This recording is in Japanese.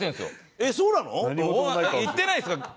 いってないですか？